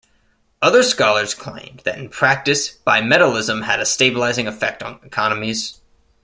Other scholars claimed that in practice bimetallism had a stabilizing effect on economies.